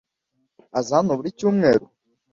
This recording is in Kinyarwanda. Aza hano buri cyumweru?